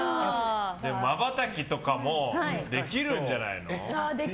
まばたきとかもできるんじゃないの。